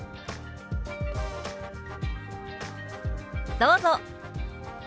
どうぞ！